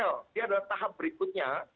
ini adalah tahap berikutnya